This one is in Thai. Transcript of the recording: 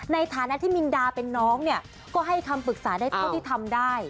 ในฐานะที่มินดาเป็นน้องเนี่ยก็ให้คำปรึกษาได้เท่าที่ทำได้